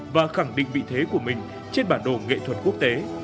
và khẳng định vị thế của mình trên bản đồ nghệ thuật quốc tế